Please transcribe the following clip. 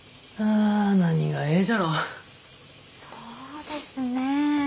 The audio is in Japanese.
そうですねえ。